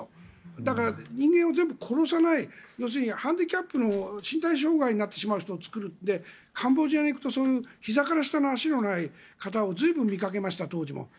だから、人間を全部殺さない要するにハンディキャップの身体障害になってしまう人を作るので、カンボジアに行くとひざから下の足がない人を当時も随分見かけました。